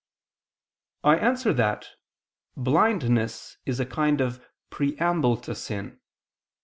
I answer that, Blindness is a kind of preamble to sin.